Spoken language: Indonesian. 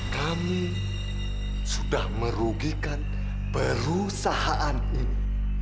kami sudah merugikan perusahaan ini